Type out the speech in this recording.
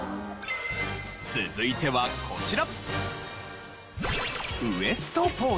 続いてはこちら。